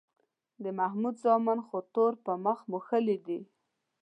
د محمود زامنو خو تور په مخ موښلی دی